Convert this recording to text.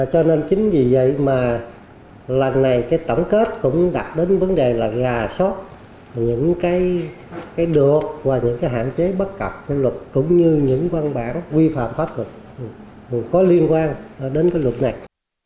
cho nên chính vì vậy mà lần này cái tổng kết cũng đặt đến vấn đề là gà sót những cái được và những cái hạn chế bất cập của luật cũng như những văn bản quy phạm pháp luật có liên quan đến cái luật này